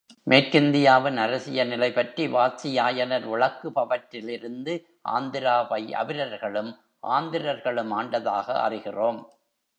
மேற்கிந்தியாவின் அரசியல் நிலை பற்றி வாத்சியாயனர் விளக்குபவற்றிலிருந்து ஆந்திராவை அபிரர்களும் ஆந்திரர்களும் ஆண்டதாக அறிகிறோம்.